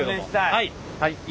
はい。